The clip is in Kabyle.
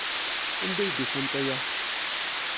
Anda ay d-ufant aya?